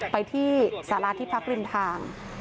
ไปที่สาราที่พักริมทาง